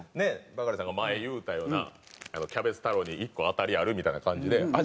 バカリさんが前言うたようなキャベツ太郎に１個当たりがあるみたいな感じで味